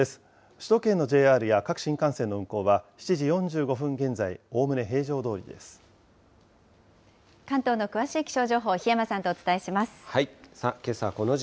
首都圏のＪＲや各新幹線の運行は、７時４５分現在、関東の詳しい気象情報、檜山さんとお伝えします。